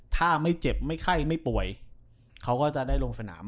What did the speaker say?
ถ้าไม่เจ็บไม่ไข้ไม่ป่วยเขาก็จะได้ลงสนาม